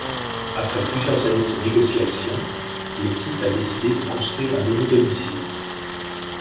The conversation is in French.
Après plusieurs années de négociations, l'équipe a décidé de construire un nouveau domicile.